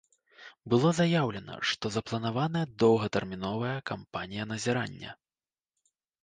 Было заяўлена, што запланаваная доўгатэрміновая кампанія назірання.